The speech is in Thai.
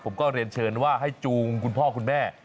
ผมก็เรียนเชิญว่าให้จูงคุณพ่อคุณแม่